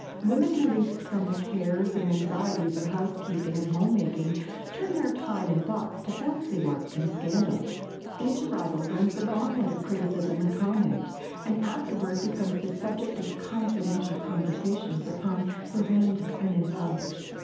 Women, released from the cares and anxieties of housekeeping and home making, turn their time and thoughts to fancy work and scandal. Each arrival runs the gantlet of criticism and comment, and afterward becomes the subject of "confidential" conversations upon veranda and in parlors.